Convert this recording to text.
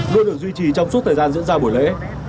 luôn được duy trì trong suốt thời gian diễn ra buổi lễ